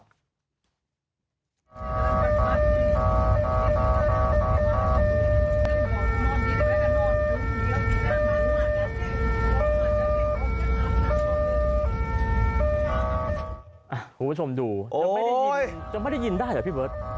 คุณผู้ชมดูจะไม่ได้ยินได้เหรอพี่เบิร์ต